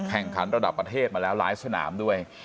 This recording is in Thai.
แข่งขันระดับประเทศมาแล้วหลายสนามด้วย